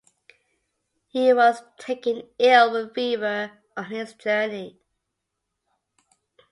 He was taken ill with fever on his journey.